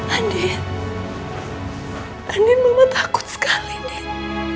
andien andien mama takut sekali nek